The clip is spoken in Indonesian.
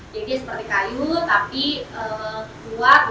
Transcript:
jadi seperti kayu tapi kuat udah terayak dan juga ringan juga